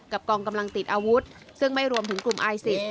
กองกำลังติดอาวุธซึ่งไม่รวมถึงกลุ่มไอซิส